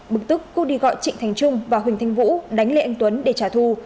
bực tức cô đi gọi trịnh thành trung và huỳnh thành vũ đánh lê anh tuấn để trả thù